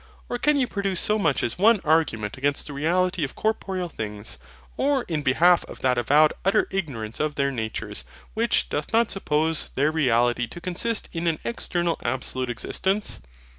Or can you produce so much as one argument against the reality of corporeal things, or in behalf of that avowed utter ignorance of their natures, which doth not suppose their reality to consist in an external absolute existence?